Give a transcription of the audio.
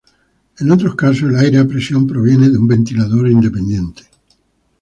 En otros casos, el aire a presión proviene de un ventilador independiente.